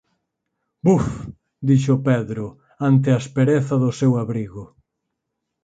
“Buf!”, dixo Pedro, ante a aspereza do seu abrigo.